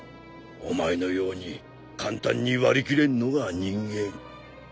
お前のように簡単に割り切れんのが人間。